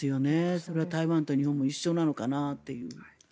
それは台湾と日本も一緒なのかなという。